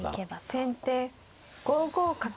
先手５五角。